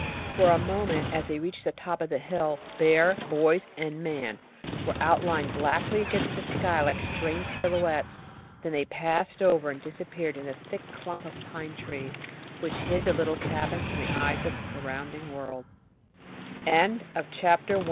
For a moment, as they reached the top of the hill, bear, boys, and man were outlined blackly against the sky like strange silhouettes. Then they passed over and disappeared in the thick clump of pine trees, which hid the little cabin from th